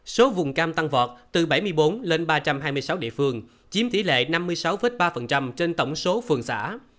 số vùng cam tăng vọt từ bảy mươi bốn lên ba trăm hai mươi sáu địa phương chiếm tỷ lệ năm mươi sáu ba trên tổng số phường xã